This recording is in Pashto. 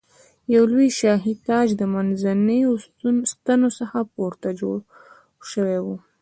یو لوی شاهي تاج د منځنیو ستنو څخه پورته جوړ شوی و.